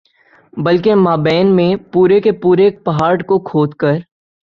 بلکہ بامیان میں تو پورے کے پورے پہاڑ کو کھود کر